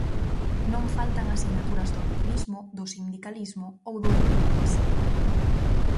Non faltan as sinaturas do activismo, do sindicalismo ou do eido do ensino.